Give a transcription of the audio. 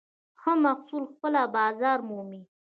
ښه محصول پخپله بازار مومي.